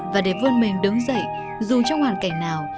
và để vươn mình đứng dậy dù trong hoàn cảnh nào